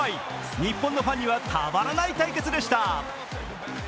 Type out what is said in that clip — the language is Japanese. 日本のファンにはたまらない対決でした。